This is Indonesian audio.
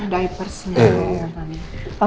diapersnya dan lain lain